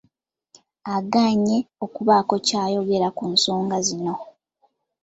Agaanye okubaako ky’ayogera ku nsonga zino.